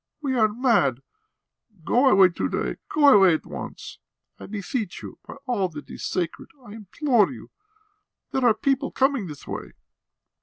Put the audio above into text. "We are mad. Go away to day; go away at once.... I beseech you by all that is sacred, I implore you.... There are people coming this way!"